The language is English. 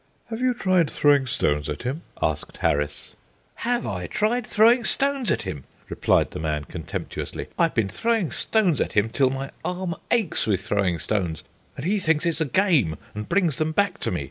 "Have you tried throwing stones at him?" asked Harris. "Have I tried throwing stones at him!" replied the man, contemptuously. "I've been throwing stones at him till my arm aches with throwing stones; and he thinks it's a game, and brings them back to me.